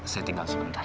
saya tinggal sebentar